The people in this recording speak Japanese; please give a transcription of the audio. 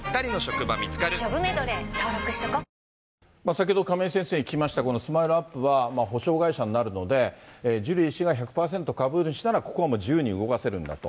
先ほど、亀井先生に聞きました、このスマイルアップは、補償会社になるので、ジュリー氏が１００％株主なら、ここは自由に動かせるんだと。